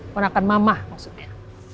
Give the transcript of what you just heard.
puan akan mama maksudnya